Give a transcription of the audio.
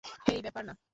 হেই ব্যাপার না।